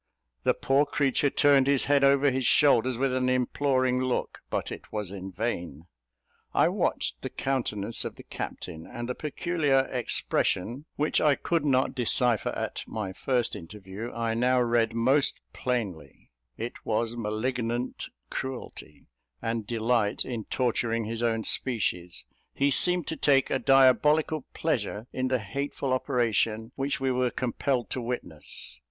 The poor creature turned his head over his shoulders with an imploring look, but it was in vain. I watched the countenance of the captain, and the peculiar expression, which I could not decipher at my first interview, I now read most plainly: it was malignant cruelty, and delight in torturing his own species; he seemed to take a diabolical pleasure in the hateful operation which we were compelled to witness.